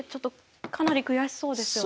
かなり悔しそうですよねえ。